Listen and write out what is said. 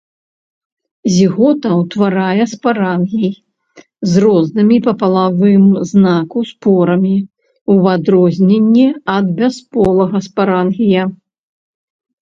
Зігота ўтварае спарангій з рознымі па палавым знаку спорамі ў адрозненне ад бясполага спарангія.